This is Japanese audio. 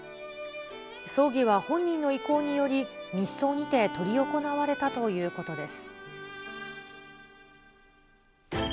葬儀は本人の意向により、密葬にて執り行われたということです。